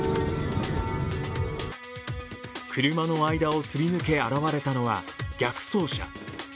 車の間をすり抜け現れたのは逆走車。